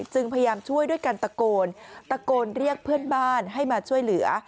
จึงพยายามช่วยด้วยกันตะโกนตะโกนเรียกเพื่อนบ้านให้มาช่วยเหลือ